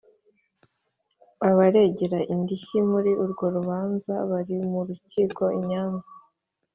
Abaregera indishyi muri urwo rubanza bari mu rukiko i Nyanza